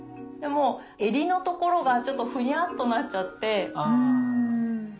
でも襟のところがちょっとふにゃっとなっちゃって。